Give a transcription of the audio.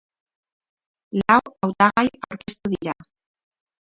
Lau hautagai aurkeztu dira.